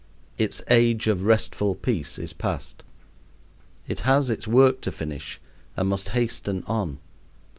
Its age of restful peace is past. It has its work to finish and must hasten on.